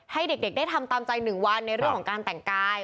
ให้เด็กได้ทำตามใจ๑วันในเรื่องของการแต่งกาย